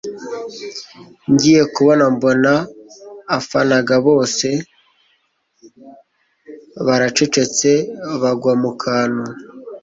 ngiye kubona mbona afanaga bose baracecetse bagwa mukantu